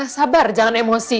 sabar jangan emosi